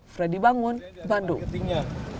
jadi bangun bandung